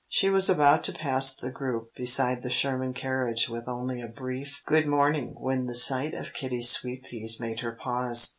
She was about to pass the group beside the Sherman carriage with only a brief "good morning," when the sight of Kitty's sweet peas made her pause.